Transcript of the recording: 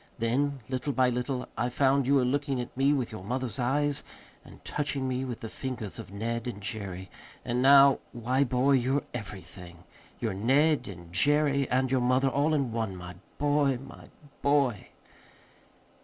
Then, little by little, I found you were looking at me with your mother's eyes, and touching me with the fingers of Ned and Jerry. And now why, boy, you're everything. You're Ned and Jerry and your mother all in one, my boy, my boy!"